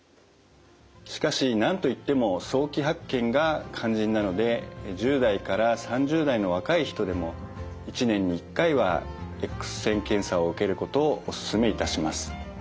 しかしなんといっても早期発見が肝心なので１０代から３０代の若い人でも１年に１回はＸ線検査を受けることをお勧めいたします。